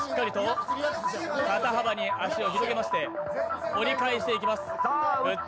肩幅に足を広げまして、折り返していきます。